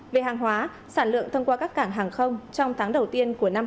về hàng hóa sản lượng thông qua các cảng hàng không trong tháng đầu tiên của năm hai nghìn hai mươi